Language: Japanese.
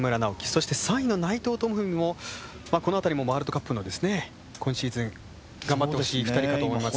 そして３位の内藤智文もこの辺りもワールドカップの今シーズン、頑張ってほしい２人かと思います。